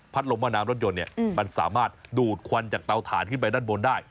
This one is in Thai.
ลมแม่น้ำรถยนต์เนี่ยมันสามารถดูดควันจากเตาถ่านขึ้นไปด้านบนได้